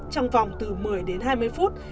trong vòng từ một mươi đến hai mươi phút